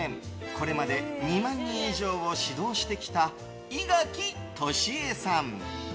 これまで２万人以上を指導してきた、井垣利英さん。